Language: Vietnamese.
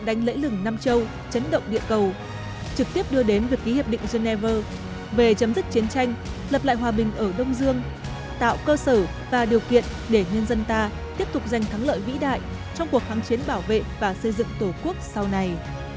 để chấm dứt chiến tranh lập lại hòa bình ở đông dương tạo cơ sở và điều kiện để nhân dân ta tiếp tục giành thắng lợi vĩ đại trong cuộc kháng chiến bảo vệ và xây dựng tổ quốc sau này